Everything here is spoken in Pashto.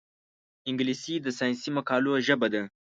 انګلیسي د ساینسي مقالو ژبه ده